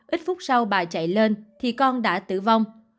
ít phút sau bà chạy lên thì con đã tử vong